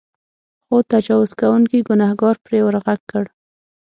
خو تجاوز کوونکي ګنهکار پرې ورغږ کړ.